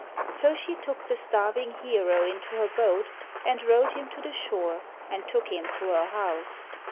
So she took the starving hero into her boat and rowed him to the shore, and took him to her house.